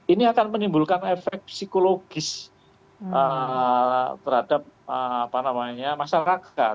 ini akan menimbulkan efek psikologis terhadap masyarakat